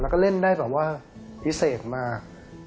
แล้วก็เล่นได้แบบว่าพิเศษมาก